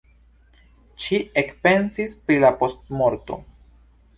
Ŝi ekpensis pri la postmorto.